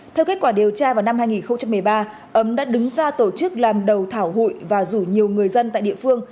theo kết quả điều tra vào năm hai nghìn một mươi ba ấm đã đứng ra tổ chức làm đầu thảo hụi và rủ nhiều người dân tại địa phương